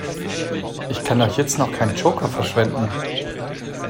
Ich kann doch jetzt noch keinen Joker verschwenden!